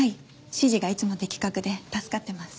指示がいつも的確で助かってます。